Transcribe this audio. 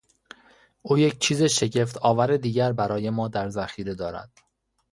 او یک چیز شگفتآور دیگر برای ما در ذخیره دارد.